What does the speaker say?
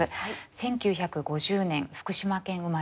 １９５０年福島県生まれ。